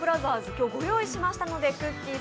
今日、ご用意しましたのでくっきー！